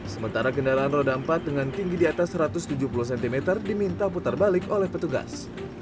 sementara kendaraan roda empat dengan tinggi di atas satu ratus tujuh puluh cm diminta putar balik oleh petugas